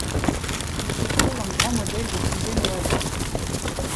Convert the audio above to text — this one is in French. Il s'y trouve un grand modèle de fontaine Wallace.